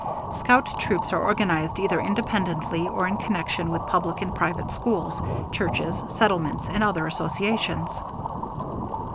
Scout troops are organized either independently or in connection with public and private schools, churches, settlements, and other associations.